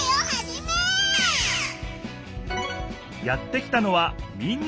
やって来たのは民